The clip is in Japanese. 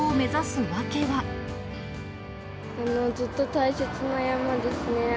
ずっと大切な山ですね。